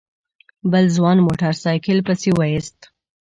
بل ځوان موټر سايکل پسې ويست.